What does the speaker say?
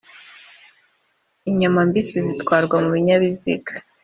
inyama mbisi zitwarwa mu binyabiziga